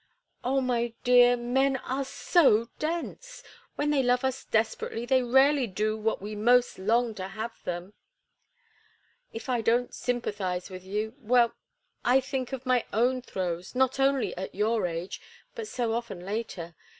"Oh, my dear, men are so dense. When they love us desperately they rarely do what we most long to have them. If I don't sympathize with you—well, I think of my own throes, not only at your age, but so often after.